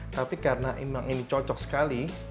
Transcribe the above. tapi karena memang ini cocok sekali